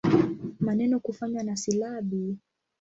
Maneno kufanywa na silabi.